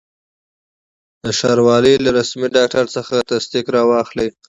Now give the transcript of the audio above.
د ښاروالي له رسمي ډاکټر څخه تصدیق را واخلئ.